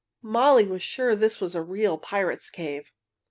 Molly was sure this was a real pirates' cave.